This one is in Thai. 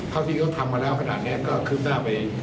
เท่าที่เขาทำมาแล้วขนาดนี้ก็คืบหน้าไป